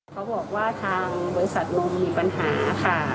เขาบอกว่าทางบริษัทลุงมีปัญหาค่ะ